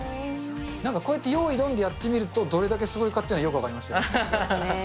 なんかこうやってよーいどんでやってみると、どれだけすごいかっていうのが、よく分かりました。